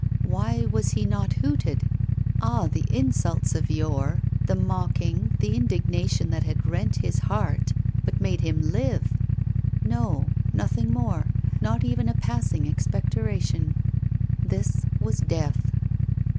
Why was he not hooted? Ah! the insults of yore, the mocking, the indignation that had rent his heart, but made him live! No, nothing more, not even a passing expectoration: this was death.